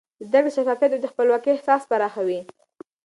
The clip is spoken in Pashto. زده کړه د شفافیت او د خپلواکۍ احساس پراخوي.